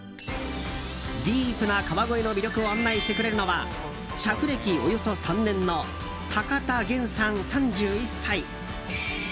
ディープな川越の魅力を案内してくれるのは車夫歴およそ３年の高田玄さん、３１歳。